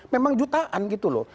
memang jutaan gitu loh